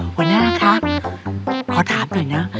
หัวหน้าคะขอถามหน่อยนะ